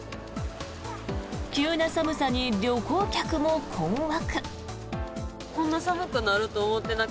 急な寒さに旅行客も困惑。